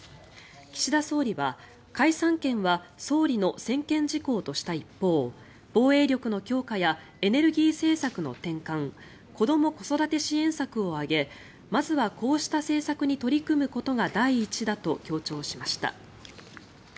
岸田総理は、解散権は総理の専権事項とした一方防衛力の強化やエネルギー政策の転換子ども・子育て支援策を挙げまずはこうした政策に取り組むことが第一だと強調しました。